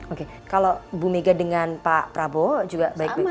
oke kalau bu mega dengan pak prabowo juga baik baik saja